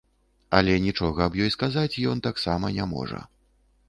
Але нічога аб ёй сказаць ён таксама не можа.